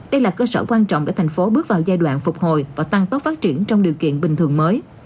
đây là cơ sở quan trọng để thành phố bước vào giai đoạn phục hồi và tăng tốc phát triển trong điều kiện bình thường mới